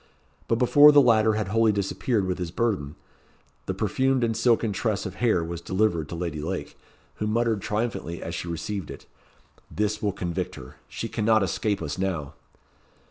But before the latter had wholly disappeared with his burthen, the perfumed and silken tress of hair was delivered to Lady Lake, who muttered triumphantly as she received it "This will convict her. She cannot escape us now."